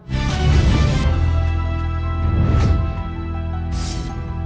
ตัวเลือกที่สาม๒๔ปีครับ